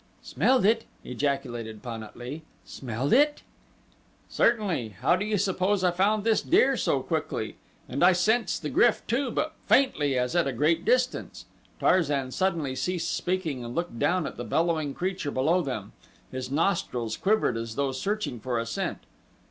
"Smelled it!" ejaculated Pan at lee. "Smelled it?" "Certainly. How do you suppose I found this deer so quickly? And I sensed the GRYF, too, but faintly as at a great distance." Tarzan suddenly ceased speaking and looked down at the bellowing creature below them his nostrils quivered as though searching for a scent.